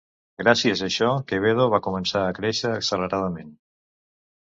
Gràcies a això Quevedo va començar a créixer acceleradament.